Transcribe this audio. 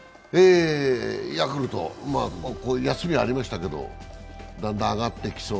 ヤクルト、休みがありましたけどだんだん上がってきそう。